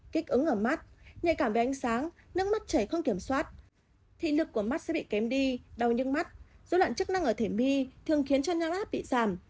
kích ứng ở mắt nhạy cảm với ánh sáng nước mắt chảy không kiểm soát thị lực của mắt sẽ bị kém đi đau nhức mắt dối loạn chức năng ở thể mi thường khiến cho năng áp bị giảm